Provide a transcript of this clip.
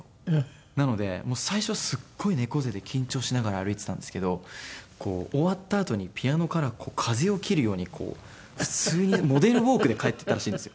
なので最初はすごい猫背で緊張しながら歩いてたんですけど終わったあとにピアノから風を切るようにこう普通にモデルウォークで帰っていったらしいんですよ。